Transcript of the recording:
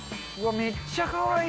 めっちゃかわいい。